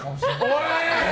おい！